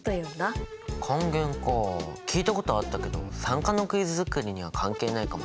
還元か聞いたことはあったけど酸化のクイズ作りには関係ないかも。